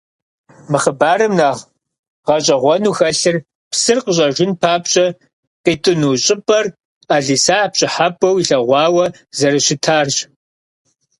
Мы хъыбарым нэхъ гъэщӏэгъуэну хэлъыр псыр къыщӏэжын папщӏэ къитӏыну щӏыпӏэр ӏэлисахь пщӏыхьэпӏэу илъэгъуауэ зэрыщытарщ.